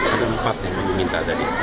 ada empat yang meminta tadi